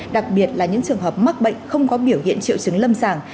đặc biệt là những trường hợp mắc bệnh không có biểu hiện triệu chứng lâm sàng